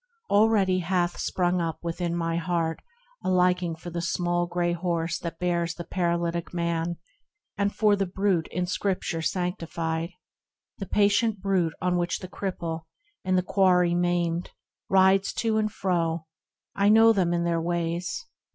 Already hath sprung up within my heart A liking for the small gray horse that bears The paralytic man, and for the brute In Scripture sanctified — the patient brute On which the cripple, in the quarry maimed, Rides to and fro : I know them and their ways.